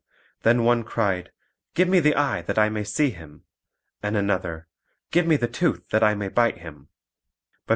Then one cried, "Give me the eye, that I may see him"; and another, "Give me the tooth, that I may bite him."